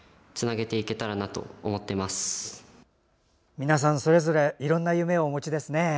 皆さんそれぞれいろんな夢をお持ちですね。